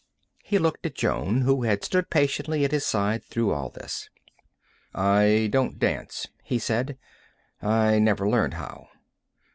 He looked at Jonne, who had stood patiently at his side through all this. "I don't dance," he said. "I never learned how."